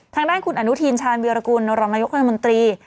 ทางด้านคุณอนุทีชาญเวียรกุลรัฐมนตรี